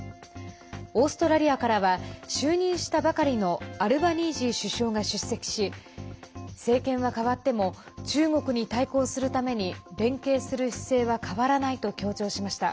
オーストラリアからは就任したばかりのアルバニージー首相が出席し政権は変わっても中国に対抗するために連携する姿勢は変わらないと強調しました。